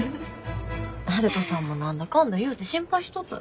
悠人さんも何だかんだいうて心配しとったで。